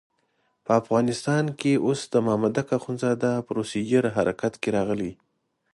په افغانستان کې اوس د مامدک اخندزاده پروسیجر حرکت کې راغلی.